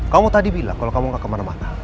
kamu tadi bilang kalau kamu gak kemana mana